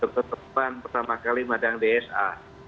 ketepan pertama kali madang dsa